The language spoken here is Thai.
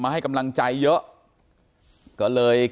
การแก้เคล็ดบางอย่างแค่นั้นเอง